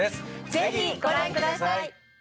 ぜひご覧ください。